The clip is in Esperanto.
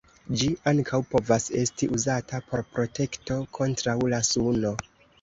Ĝi ankaŭ povas esti uzata por protekto kontraŭ la suno.